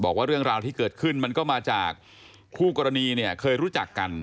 บอกว่าเรื่องราวที่เกิดขึ้นมันก็มาจากคู่กรณีเนี่ยเคยรู้จักกัน